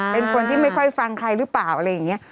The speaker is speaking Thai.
เป็นคนที่ไม่ค่อยฟังใครหรือเปล่าอะไรอย่างนี้